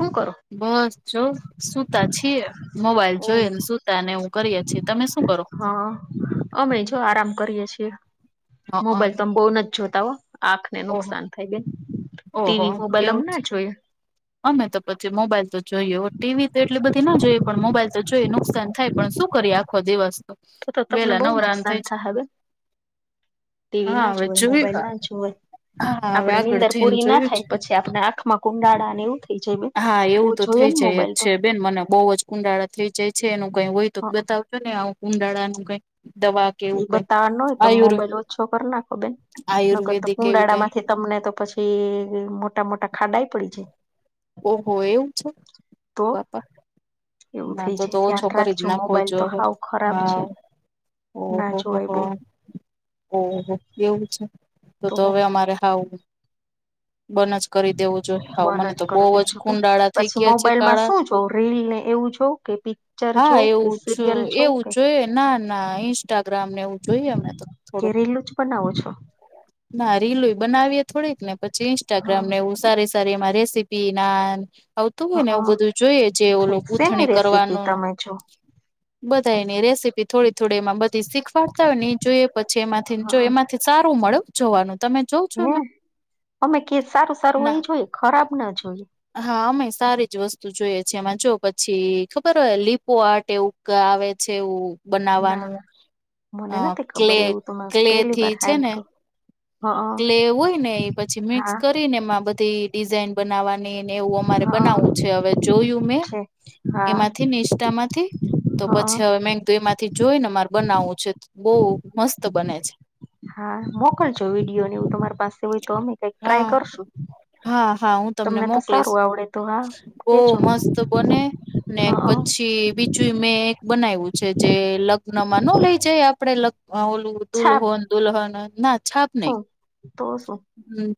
હું કરો બસ જો સુતા છીએ મોબાઈલ ઓહ જોઈ ને સુતા ને એવું કરીએ છે તમે શું કરો હ અમે જો આરામ કરીએ છીએ હઅન મોબાઈલ તો અમ બહુ નથ જોતા હો આંખ ને ઓહો નુકસાન થઈ જાય ઓહો ટીવી મોબાઈલ અમ એવું જ. ના જોઈએ અમે તો પછી મોબાઈલ તો જોઈએ હો ટીવી તો એટલી બધી ના જોઈએ પણ મોબાઈલ તો જોઈએ નુકસાન થાય પણ શું કરીએ આખો દિવસ તો તો તમને વેલા બહુ નવરાન નુકસાન થઈ છે થાય હે બેન ટીવી હા ના હવે જોવાય મોબાઈલ જોયું ના જોવાય હા હવે આપડે આગળ નીંદર જઈને પૂરી ના જોયું છે થાય પછી આપમાં આંખમાં કુંડાળા ને એવું થાય હા એવું તો થઈ જાય જ છે બેન મને બહુ જ કુંડાળા થઈ જાય છે એનું કઈ હોય તો હા, બતાવ ને આવું કુંડાળા નું કઈક દવા કે એ એવું કઈ બતાવવા ન હોય તમ આયુર્ મોબાઈલ ઓછો કર નાખો બેન ન કરતા આયુર્વેદિક એવી કુંડાળા કઈ માંથી તમને તો પછી મોટા મોટા ખાડા ય પડી જાય ઓહો એવું છે તો બાપા એવું ના થઈ તો જાય તો ઓછો ધ્યાન કરી જ રાખજો નાખો મોબાઈલ જો તો હો હાવ ખરાબ છે ના ઓહોહોહો જોવાય બહુ ઓહો એવું છે તો તો હવે અમારે હાવ બન જ કરી દેવું જોઈ હાવ મને બંધ તો કરી બહુ જ દેજો બેન કુંડાળા થઈ પછી ગયા છે મોબાઈલમાં કાળા શું જો રીલ ને એવું જો કે પી હા એવું એવું જોઈએ ના ના ઇન્સ્ટાગ્રામને એવું જોઈએ અમે તો કે થોડુંક રીલું જ બનાવો છો ના રીલુ બનાવીએ થોડીક ને પછી ઇન્સ્ટાગ્રામ હા ને એવું સારી સારી એમાં રેસી ટી નાન આવતું હોય ને એવું હા બધું જોઈએ જે ઠીક ઓલું શેની ગુથણી રેસીપી કરવાનું તમે [inaudible] બધા એની રેસીપી થોડી થોડી એમાં બધી શીખવાડતા હોય ને ઈ જોઈએ પછી એમાંથી જો હા એમાં સારું મળે જોવાનું તમે જોવ છો હ એમાં? અમે કે સારું સારું હોય ના. ઈ જોઈ એ ખરાબ ના જોઈએ હા અમે સારી જ વસ્તુ જોઈએ છેએ એમાં જો પછી ખબર હોય લીપો આર્ટ એવું કઆવે છે એવું ના બનાવાનું મને અ નથી ખબર ક્લે એવું તો મે ક્લે પેલી વાર થી છે ને સાંભળ્યું હા કલે હોય ને એ પછી મિક્સ હા કરીને એમાં બધી ડિઝાઇન બનાવાનીને એવું મારે હા બનાવવું છે. હવે જોયું મેં. છે હા એમાંથી ઇન્સ્ટા માંથી તો હા પછી હવે મે કીધું હવે એમાંથી જોઈ ને માર બનાવવું છે બહુ મસ્ત બને છે. હા મોકલજો વિડીયો ને એવું તમારી પાસે હોય તો અમે કઈક ટ્રાય હા કરશું. હા હા હું તમને તો મોકલીશ. સારું આવડે તો હા બવ કેજો મસ્ત બને, ને હા પછી બી જુ મેં એક બનાવ્યું છે. જે લગ્નમાં નો લઇ જાય આપડે લગ્નમા ઓલું છાબ દુલહો ને દુલહન ના છાપ નૈ. શું તો શું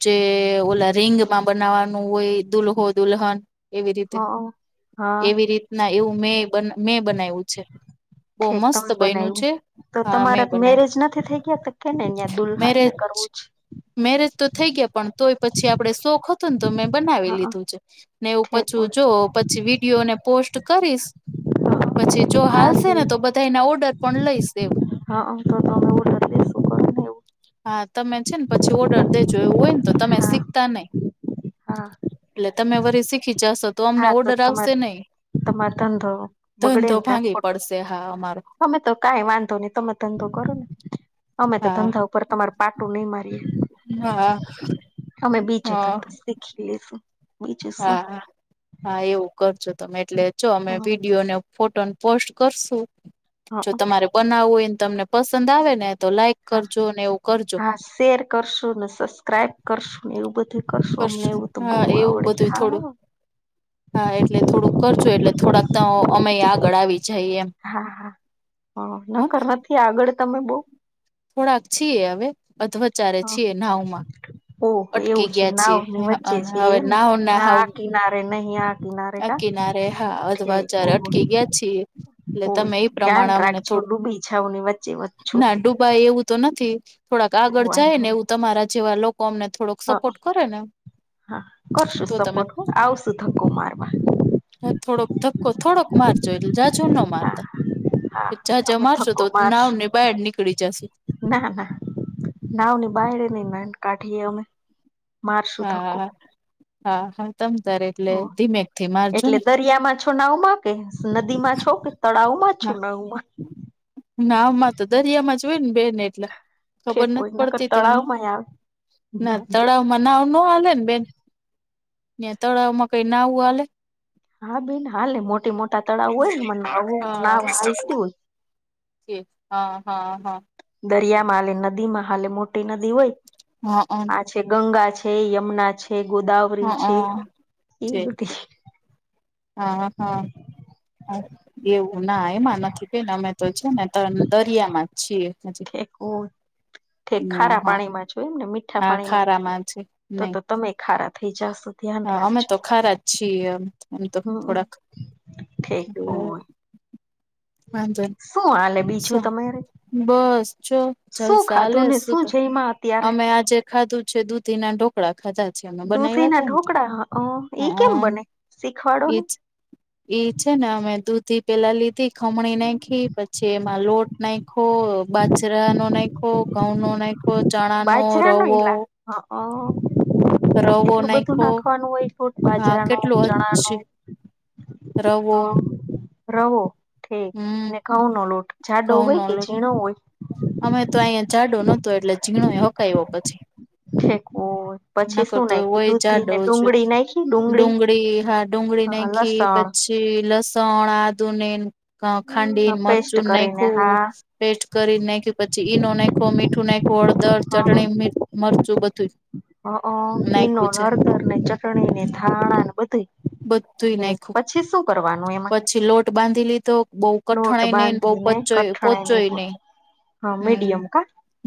જે ઓલા રિંગમાં બનાવાનું હોય દુલ્હો દુલ્હન એવી રીતે હા હા એવી રીતના એવું મેં મેં બનાવ્યું છે. બહુ ઠીક મસ્ત તમે બયનું બનાવ્યું છે તો હા મેં તમારા બનાવ્યું મેરેજ નથી થઈ ગયા કે? ને દુલ્હન ને મેરેજ કરવું જ મેરેજ તો થઈ ગયા પણ, તોય પછી આપણે શોખ હતો ને તો મેં બનાવી હા લીધું છે. ને એવું ઠેક પછું બોલ જો પછી વિડીયો ને પોસ્ટ કરીશ. પછી જો હા હાલશે ને તો બધા એના ઓર્ડર પણ લઈશ એમ. હા હ તોમે ઓર્ડર શુંકર [unintelligible] હા તમે છે ને પછી ઓર્ડર દેજો એવું હોય ને તો તમે હા શીખતા નહી. હા એટલે તમે વરી શીખી જાશો. તો અમને હા ઓર્ડર આવશે તમારે નહી, તમારો ધંધો બગડે ધંધો ને કા ભાંગી ખોટો પડશે હા અમારો અમે તો કઈ વાંધો નહી. તમે ધંધો કરો ને અમે તો હા ધંધા ઉપર તમાર પાટું નહી મારીએ હા અમે બીજે ધંધો શીખી લઈશું. બીજું શું હા હા હા એવું કરજો તમે એટલે જો અમે વિડીયો ને ફોટોને પોસ્ટ કરશું હ હ જો તમારે બનાવવું હોયને તમને પસંદ આવે ને તો લાઈક હા કરજો અને એવું કરજો. હા શેર કરશું, ને સબસ્ક્રાઈબ કરશું એવું બધું કરશું અમને એવું તો બહુ હા એવું બધું આવડે થોડું હા. હા એટલે થોડુંક કરજો એટલે થોડાક તો અમે આગળ આવી જાય એમ. હા હા હ નકર નથી આગળ તમે બવ થોડાક છીએ હવે, અધ્વચારે છીએ નાવમાં. ઓહ અટકી એવું છે ગયા છીએ, નાવની વચ્ચે છે હવે એમને ના હો ના આ હું-' કિનારે નહીં આ કિનારે કા અકી ના રે હા ઠીક અધવાચારે અટકી ગયા છીએ એટલે ઓ તમે ધ્યાન પ્રમાણે અમને રાખજો ડૂબી જાઓ ની વચ્ચે વચ્ચો તે ભાઈ એવું તો નથી થોડાક તો આગળ જાય ને, એવું તમારા જેવા લોકો અમને થોડોક હા સપોર્ટ કરે ને હા કરશું તો તમે સપોર્ટ હ, આવશું ધક્કો મારવા. થોડોક ધક્કો થોડોક મારજો એટલે જાજુ ના મારતા. હા હા જાજા અમે મારશો ધક્કો તો નાવ મારશું ને બહાર નીકળી જશે. ના ના નાવની બાયડ ની ના કાઠીએ અમે. મારશું ધક્કો હા હા હા તમ તારે એટલે હ ધીમેક થી મારજો એટલે ને. દરિયામાં છો નાવમાં કે નદીમાં છો કે તળાવમાં છું હા નાવમાં કે નાવમાં તો દરિયામાં જ હોય ને બેન એટલે. ઠેક ખબર હોય નથી નકર પડતી તમને તળાવમાં આવે ના તળાવમાં નાવ ન હાલે ને બેન ને તળાવમાં કઈ નાવું હાલે. હા બેન હાલે મોટી મોટા તળાવ હોય ને એમાં હા નાવ હાલતી હોય. હા હા હા. દરિયામાં હાલે, નદીમાં હાલે, મોટી નદી હોય. હા આ છે, ગંગા છે, યમુના છે, ગોદાવરી હા છે, હા એ છે બધી હા હા એવું ના એમાં નથી. ને અમે તો છે ને, તો દરિયામાં જ છીએ હજી. તે ના ખારા હા પાણીમાં જોય ને મીઠા હા પાણીમાં નથી ખારામાં છે નહી તો તમે ખારા થઈ જાશો. ધ્યાન હા અમે રાખજો તો ખારા જ છીએ એમ તો હમ થોડાક ઠીક ઓય વાંધો શું હાલે. બીજું તમારે બસ જો શું જલસા હાલે ખાધું ને સુું શું તો જઈમાં અત્યારે અમે આજે ખાધું છે દૂધીના ઢોકળા ખાધા છે અમે દૂધી ના બનાવવા ને ઢોકળા ઈ કેમ હહા બને શીખવાડો ને ઈ છે ને અમે દૂધી પેલા લીધી ખમણી નાખી પછી લોટ નાખો, બાજરાનો નાખો, ઘઉંનો નાખો, ચણાનો, બાજરા ન રવો [inaudible] રવો એટલું બધું નાયખો નાખવાનું હોય લોટ હા બાજરાનો, કેટલું હજ ચણાનો રવો હા રવો, ઠીક ને ઘઉનો લોટ જાડો હોય ઘઉંનો કે લોટ ઝીણો હોય. અમે તો અહીંયા જાડો નહોતો એટલે ઝીણો એ હકાય્યો પછી, ઠેકવો હોય ન પછી શું કરતો નાખ્યું હોય દૂધી જાડો ને ડુંગળી નાખી ડુંગળી હાડ ડુંગળી નાખી, લસણ પછી લસણ, આદુને, અ ખાંડી પેસ્ટ મરચું કરીને નાખું, હા પેસ્ટ કરી નાખી, પછી ઈનો નાખો, મીઠું નાખું, હળદર ચટણી, મરચું બધું ઇનો, નાયખું છે હર્દરને, ચટણીને, ધાણાને બધુંય બધુંઈ નાયખું પછી શું કરવાનું એમાં પછી લોટ બાંધી લીધો બઉ લોટ કઠણાય નઈ ને બઉ બાંધીને કઠણ કણાયનેપ હમ્મ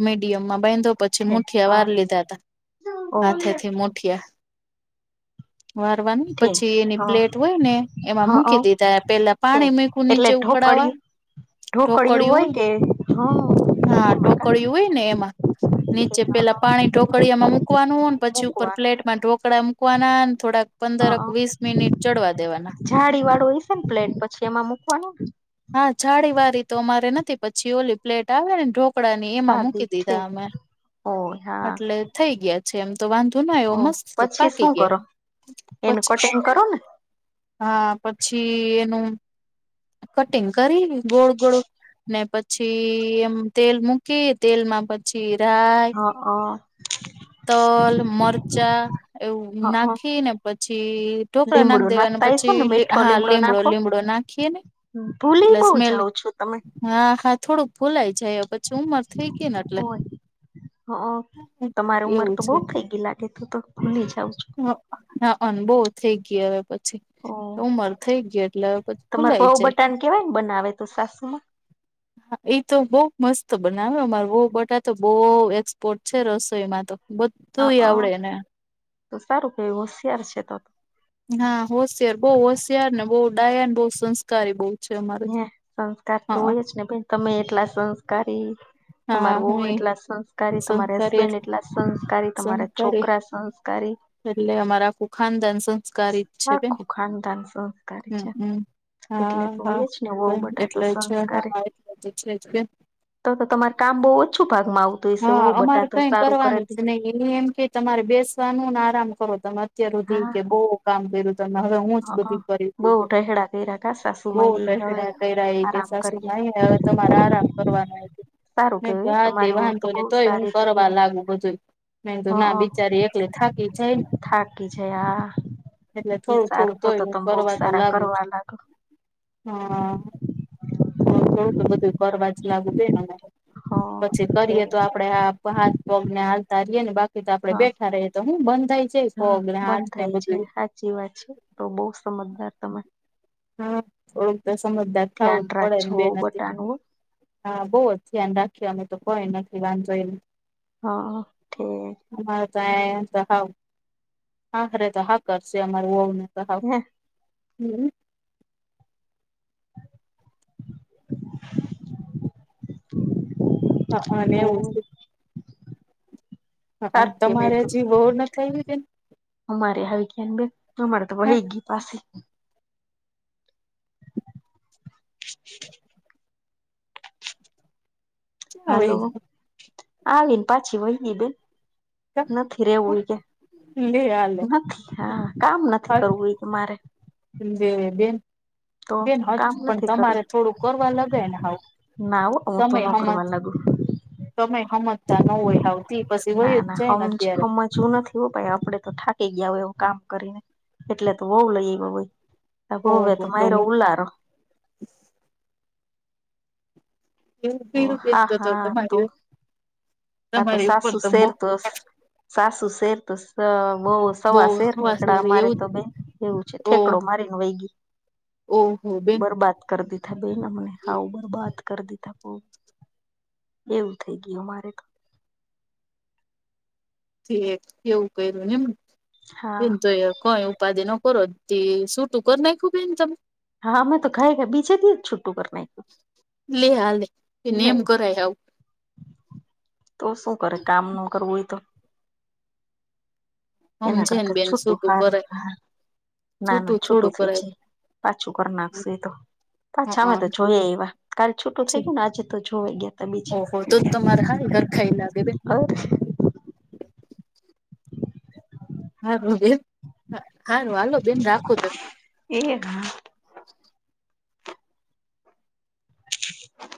મીડિયમમાં બાંધો પછી છે મુઠિયા હા વાર લીધા હતા. ઓ હાથેથી મુઠિયા વારવાની થે પછી એની હા પ્લેટ હોય ને એમાં હા મૂકી દીધા પેલા પાણી મુકુ નીચે ઢોકળ ઉકળાવા ઢોકળયુ હોય કે હા. હા એમાં કા ઢોકળીયુ હોય ને એમાં, નીચે થે હા પેલા અ પાણી ઢોકળીયામાં મુકી મૂકવાનું પછી ઉપર મૂકવાનું પ્લેટમાં ઢોકળા મૂકવાના થોડાક પંદર વીસ મિનિટ ચડવા દેવાના, જાડી વાળું હશે ને પ્લેટ પછી એમાં મૂકવાનું હા જાડીવાળી તો અમારે નથી પછી ઓલી પ્લેટ આવે ને ઢો- -કડડા ની એમાં સાદી મૂકી થે દીધા અમે ઓ હા એટલે થઈ ગયા. એમ તો વાંધો ના આવ ઓ મસ્ત પછી પાકી શું ગયા કરો એનું કટિંગ પછી કરો ને હા પછી એનું કટિંગ કરી ગોળ ગોળ ને પછી એમ તેલ મૂકી તેલ માં પછી રાય, હા અ તલ, મરચા, એવું હા અ નાખી ને પછી ઢોકળા નાખી લીમડો દેવાને નાખતા હશો ને મીઠો હા લીમડો નાખો લીમડો નાખીએને ભૂલી એટલે બહુ સ્મેલ જાવ છો તમે હા હા થોડુંક ભુલાઈ જાય પછી ઉંમર થઈ ગઈ ને એટલે ઓય હ તમારી ઉંમર એવું તો બઉ છે થઈ ગય લાગે તો તો ભુલી જાઉ છું. હા અન બો થઈ ગયા હવે પછી હા ઉમર થઈ ગયા. તમાર હોવબટા કેવાય બનાવે તો સાસુમાં. એ તો બઉ મસ્ત બનાવે હો માર હોવબટા બહુ એક્સપોર્ટ છે રસોઈમાં તો બધું હા આવડે એને, તો સારું કે હોશિયાર છે તો, હા હોશિયાર, બહુ હોશિયારને, બહુ ડાયા, બહુ સંસ્કારી બહુ, છે અમારે હ સંસ્કાર તો હા હોય જ ને ભાઈ તમે એટલા સંસ્કારી તમાર હા વહૂ હું એટલા સંસ્કારી, તમારે સંસ્કારી હસબેન્ડ એટલા સંસ્કારી, તમારા સંસ્કારી છોકરા સંસ્ તારી એટલે અમારા ખું ખાનદાન સંસ્કારી જ છે, બેન. આખું ખાનદાન સંસ્કારી હમ્મ છે હમ્મ. હા એટલે તો હા હોય જ ને વહુ બટા તો એટલે જ સંસ્કારી હા એટલે જ છે જ કે. તો તો તમારે કામ બઉ જ છુ ભાગમાં આવ હા. અમારે કઈ કરવાનું જ નઈ, એની એમ કે તમારે બેસવાનું ને આરામ કરો તમે, અત્યાર હુધી હા કે બોવ કામ કર્યું. તમ હવે હું જ હ બધી કરી બહુ હતી કે, ઢહેડા કર્યા કા બો સાસુમાં એ કે હવે ટટડા કયરા એ કેસ આરામ સાસુ કરીએ બઈ હવે તમારે આરામ કરવાનું, સારું ને કેવાય ઘા તમારી બહુ તેવા તો બહુ ને તોય સારી હું રીતે કરવા લાગુ બધું. નઈ તો ના કેવાય બિચારી એકલી થાકી જાય ને. હ થાકી જાય આ એટલે ઈ થોડું થોડું સારું તો તોય તો એને તમે બહુ કરવા તો સારા લાગુ જ. કરવા લાગો હા, તો થોડુંક બધું કરવા જ લાગુ દે ને. પછી હ કરીએ તો આપડે આપ હાથ પગને હલતારીએે ને બા તોયતો આપડે હા બેઠા રએ તો હું બંધ થાય છે, હા કોગરાટ બંધ થાય છે બધું સાચી વાત છે. તો બો સમજદાર તમે. હા, થોડુંક તો સમજદાર ધ્યાન થાવું જ પડે ને રાખજો બે નથી. બટાનું હા બોવ જ ધ્યાન રાખીએ અમે તો કોઈ નથી વાંધો એમ. હા. થો અમારે તાંય ત હાવ, હાંકરે તો હા કરસે અમાર વઉ ને. ત હાવ [unintelligible] હા અને ઓ ઉસી હ અન સારું કેવાય તમારે તો હજી વઉ નથ આયવી બેન. અમારે હવે ક્યાન બે, હમારે તો હા વહી ગી પાસી. હ હાલો. ક્યાં આવીને પાછી વહીની બેન નથી રેવું ઓય કે, વઈ લે હાલે નથી. હા કામ નથી કરવું એકે મારે. મ્મ બે બેન તો બેન હજ કામ પણ નથી તમારે થોડું કરવા લગે ને હાવ. નાવો અ તો તમે ન હમજ કરવા લાગુ. તમે હમજતા ન હોય, હાવતી પસી વય જ જાય ને અત્યારે. જો નથી હો ભાઈ આપડે તો થાકી ગીયા ઓય કામ કરીને એટલે તો વઉ લઈ ભાઈ તો હુવે તો માયરો ઉલ્લાારો. એવું ઓ કર્યું બેન હા તો હા તો. તમારી હા તો તમારી ઉપર સાસુ તો શેર બો તોસ, સાસુ શેર તોસ અ બઉ બો સવા શેર હવાસ નીકળે અમારે એવું તો બેન એવું છે, ઓ ઠેકડો મારીને વઈ ગઈ. ઓહો બેન. બરબાદ કરી દીધા બેન, અમને હાવ બરબાત. કર દીધા બો. એવું થઈ ગીયું મારે તો. થીએ કેવું કર્યું નેમ, હા એમ ત એ કોઈ ઉપાધિ ન કરો તે સૂટું કર નાયખુ બેન તમ હા અમેં તો ખાઈ ગયા, બીજે દીએ જ છુટું કર નાયખુ. લે હાલેે, એને એમ કરાય આવું. તો શું કરે, કામ ન કરવું હોય તો. એના હમજે ને કરતા બેન છૂટું સૂટું હારુ. કરાય હા. ના ના થોડું છૂટું થઈ કરાય જાય, પાછું કર નાખશે એ તો. હઅ પાછા અમે તો જોયે આયવા, કાલ છુટું થઈ ગીયુ ને આજે તો જોવા ગીયા તા બીજે. ઓહહો, તો તમે હાય હરખાઈ લાગે બે અ હારું બેન સારું હાલો બેન રાખો તો. એ હા [inaudible]